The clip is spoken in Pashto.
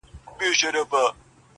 په پوهېږمه که نه د وجود ساز دی,